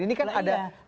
ini kan ada sukses